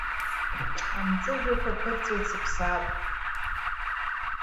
Амҵәыжәҩақәа ԥырҵәеит сыԥсаатә.